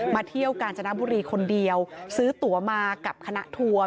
เที่ยวกาญจนบุรีคนเดียวซื้อตัวมากับคณะทัวร์